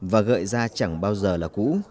và gợi ra chẳng bao giờ là cũ